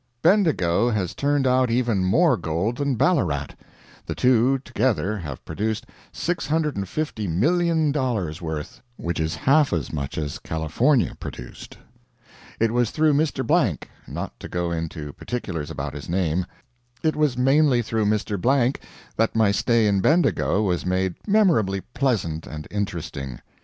Bendigo has turned out even more gold than Ballarat. The two together have produced $650,000,000 worth which is half as much as California produced. It was through Mr. Blank not to go into particulars about his name it was mainly through Mr. Blank that my stay in Bendigo was made memorably pleasant and interesting.